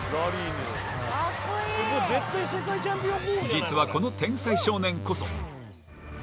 実は、この天才少年こそ。